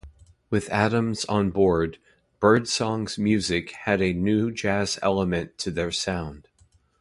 With Adams on board, Birdsongs music had a new jazz element to their sound.